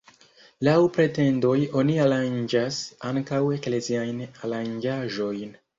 Laŭ pretendoj oni aranĝas ankaŭ ekleziajn aranĝaĵojn.